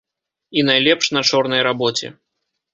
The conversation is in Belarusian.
І найлепш на чорнай рабоце.